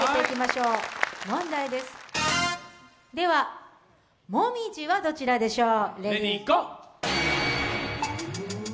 問題です、では、もみじはどちらでしょう？